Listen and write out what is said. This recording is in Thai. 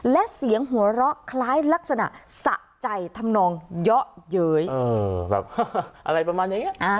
และเสียงหัวเราะคล้ายลักษณะสะใจทำนองเยอะเย้ยแบบอะไรประมาณอย่างนี้